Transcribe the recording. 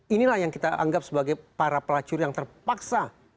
inilah yang kita anggap sebagai para pelacur yang terpaksa